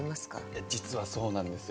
いや実はそうなんですよ。